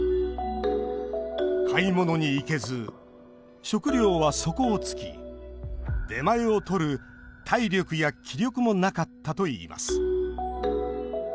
買い物に行けず、食料は底をつき出前をとる体力や気力もなかったといいます。